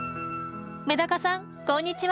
メダカさんこんにちは。